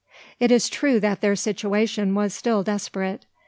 It is true that their situation was still desperate.